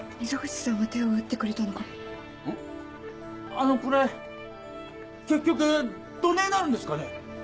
あのこれ結局どねぇなるんですかね？